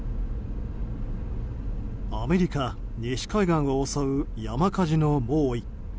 アメリカ西海岸を襲う山火事の猛威。